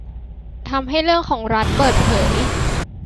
ทำให้เรื่องของรัฐเปิดเผย